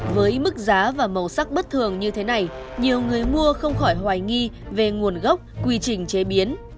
với mức giá và màu sắc bất thường như thế này nhiều người mua không khỏi hoài nghi về nguồn gốc quy trình chế biến